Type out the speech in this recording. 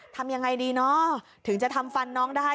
ทำยังไงดีเนาะถึงจะทำฟันน้องได้